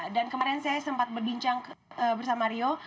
dan kemarin saya sempat berbincang bersama rio